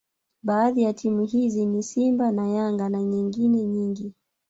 baadhi ya timu hizo ni simba na yanga na nyengine nyingi